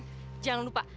glenn jangan lupa